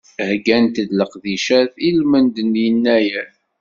Heggant-d leqdicat i lmend n yennayer.